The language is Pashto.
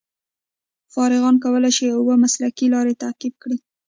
فارغان کولای شي اوه مسلکي لارې تعقیب کړي.